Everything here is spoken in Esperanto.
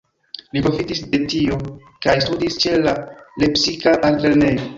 Li profitis de tio kaj studis ĉe la lepsika altlernejo.